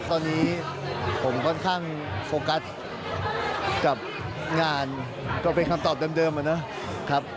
ตอนนี้ผมค่อนข้างโฟกัสกับงานก็เป็นคำตอบเดิมอะเนาะ